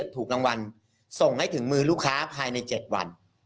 ถูกรางวัลส่งให้ถึงมือลูกค้าภายใน๗วัน